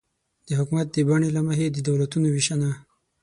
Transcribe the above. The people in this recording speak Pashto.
د حکومت د بڼې له مخې د دولتونو وېشنه